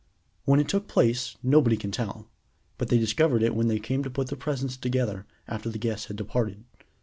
"When it took place nobody can tell, but they discovered it when they came to put the presents together after the guests had departed.